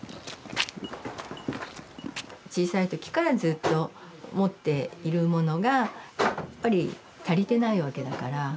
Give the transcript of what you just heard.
小さい時からずっと持っているものがやっぱり足りてないわけだから。